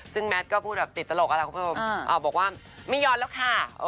ซึ่งแมทก็พูดแบบติดตลกอะไรครับครับผมอ้าวบอกว่าไม่ยอดแล้วค่ะ